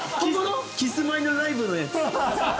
キスマイのライブのやつ。